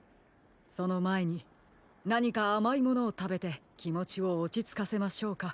そのまえになにかあまいものをたべてきもちをおちつかせましょうか。